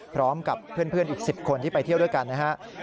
พร้อมกับเพื่อนอีก๑๐คนที่ไปเที่ยวด้วยกันนะครับ